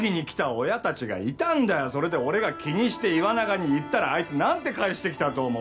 それで俺が気にして岩永に言ったらあいつなんて返してきたと思う？